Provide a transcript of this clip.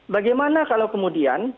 bagaimana kalau kemudian